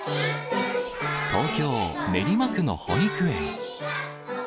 東京・練馬区の保育園。